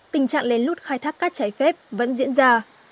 tình trạng lén lút khai thác cát trái phép vẫn diễn ra